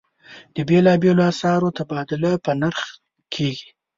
د بېلابېلو اسعارو تبادله په نرخ کېږي.